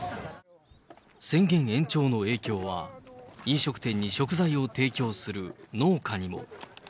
宣言延長の影響は、飲食店に食材を提供する農家にも。